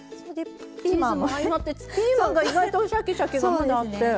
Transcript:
チーズも相まってピーマンが意外とシャキシャキがまだあって。